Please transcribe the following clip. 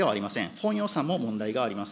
本予算も問題があります。